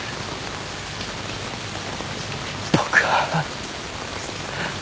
僕は。